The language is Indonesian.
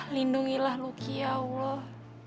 lindungilah lucky ya allah